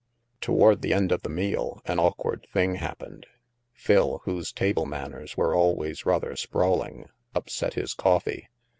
Toward the end of the meal, an awkward thing happened. Phil, whose table manners were always rather sprawling, upset his coffee.